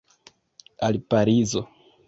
Al Parizo.